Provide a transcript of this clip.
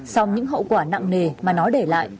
song những hậu quả nặng nề mà nó để lại